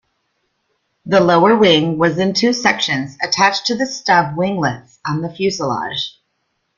The lower wing was in two sections attached to stub 'winglets' on the fuselage.